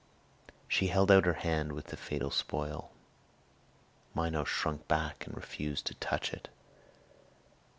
She held out her hand with the fatal spoil. Minos shrunk back and refused to touch it.